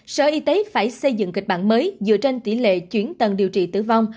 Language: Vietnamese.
sở y tế phải xây dựng kịch bản mới dựa trên tỷ lệ chuyển tần điều trị tử vong